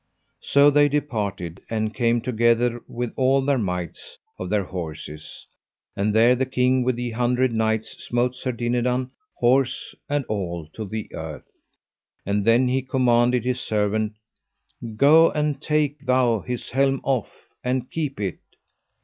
So they departed and came together with all their mights of their horses, and there the King with the Hundred Knights smote Sir Dinadan, horse and all, to the earth; and then he commanded his servant: Go and take thou his helm off, and keep it.